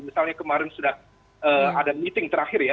misalnya kemarin sudah ada meeting terakhir ya